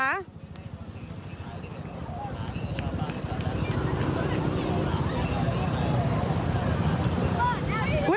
ระเบิดแล้ว